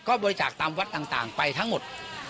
ก็บริจาคตามวัดต่างไปทั้งหมด